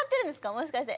もしかして。